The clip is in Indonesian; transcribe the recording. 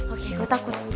oke gue takut